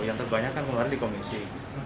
yang terbanyak kan keluar di komisi